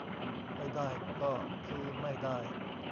ไม่ได้ก็คือไม่ได้